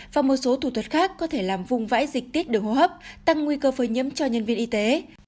và một số thủ thuật khác có thể làm vùng vãi dịch tiết đường hô hấp tăng nguy cơ phơi nhiễm cho nhân viên y tế